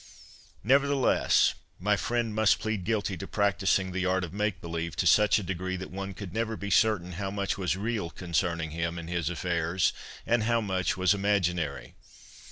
Nevertheless, my friend must plead guilty to practising the ' art of make believe ' to such a degree that one could never be certain how much was real concerning him and his affairs and how much was imaginary.